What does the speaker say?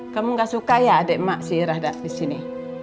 kamu nggak suka ya adik mak si irah ada di sini